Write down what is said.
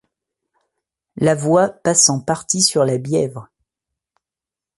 La voie passe en partie sur la Bièvre.